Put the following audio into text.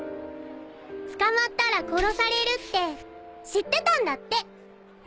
捕まったら殺されるって知ってたんだって！